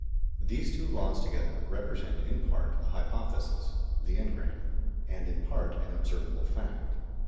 These two laws together represent in part a hypothesis (the engram), and in part an observable fact.